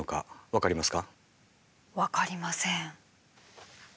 分かりません。